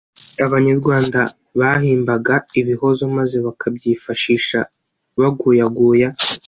Abanyarwanda bahimbaga ibihozo maze bakabyifashisha baguyaguya